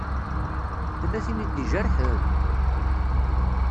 Tella tin i d-ijerḥen?